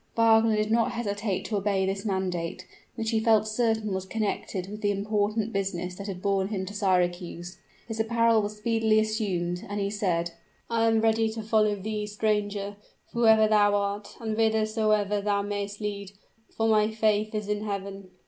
Wagner did not hesitate to obey this mandate, which he felt certain was connected with the important business that had borne him to Syracuse. His apparel was speedily assumed; and he said, "I am ready to follow thee, stranger, whoever thou art, and whithersoever thou mayst lead; for my faith is in Heaven."